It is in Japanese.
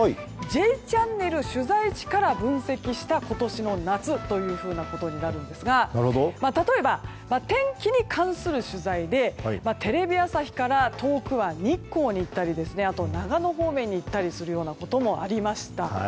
「Ｊチャンネル」取材地から分析した今年の夏ということになるんですが例えば天気に関する取材でテレビ朝日から遠くは日光に行ったりあとは長野方面に行ったこともありました。